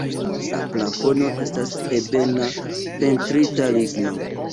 La plafono estas ebena pentrita ligno.